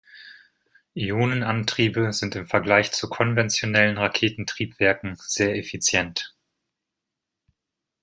Ionenantriebe sind im Vergleich zu konventionellen Raketentriebwerken sehr effizient.